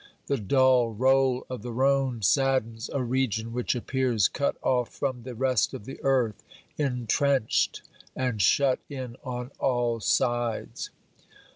The dull roll of the Rhone saddens a region which appears cut off from the rest of the earth, entrenched and shut in on all sides.